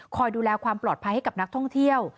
ดูแลความปลอดภัยให้กับนักท่องเที่ยว